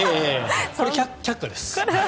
あれ、却下です。